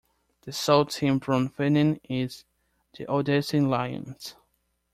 The sole team from Funen is the Odense Lions.